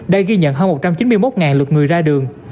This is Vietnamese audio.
đây ghi nhận hơn một trăm chín mươi một lượt người ra đường